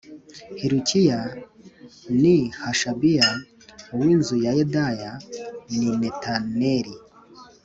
Hilukiya ni Hashabiya uw inzu ya Yedaya d ni Netaneli